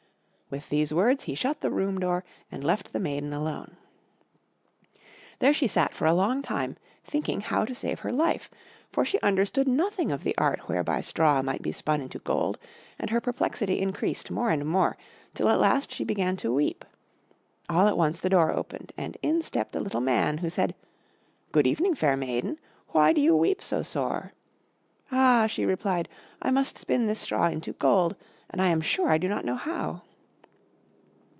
With these words he shut the room door, and left the maiden alone. There she sat for a long time, thinking how to save her life; for she understood nothing of the art whereby straw might be spun into gold; and her perplexity increased more and more, till at last she began to weep. All at once the door opened, and in stepped a little Man, who said, "Good evening, fair maiden; why do you weep so sore?" "Ah," she replied, "I must spin this straw into gold, and I am sure I do not know how."